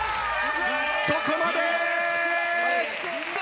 そこまで！